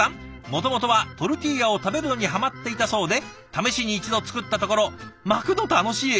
もともとはトルティーヤを食べるのにハマっていたそうで試しに一度作ったところ「巻くの楽しい！